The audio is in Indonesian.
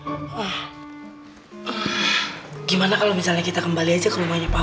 ah gimana kalo misalnya kita kembali aja ke rumahnya pao